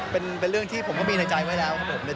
เป็นเรื่องที่ผมก็มีในใจไว้แล้วครับผม